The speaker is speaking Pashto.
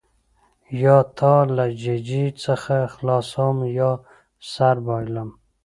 یا تا له ججې څخه خلاصوم یا سر بایلم.